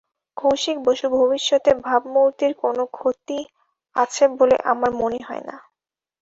কৌশিক বসু ভবিষ্যতে ভাবমূর্তির কোনো ক্ষতি আছে বলে আমার মনে হয় না।